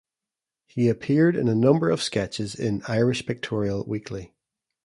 He appeared in a number of sketches in "Irish Pictorial Weekly".